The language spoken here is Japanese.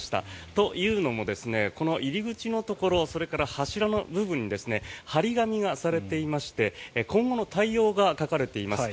というのも、この入り口のところそれから柱の部分に貼り紙がされていまして今後の対応が書かれています。